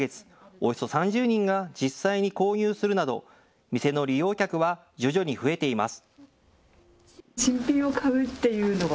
およそ３０人が実際に購入するなど店の利用客は徐々に増えています。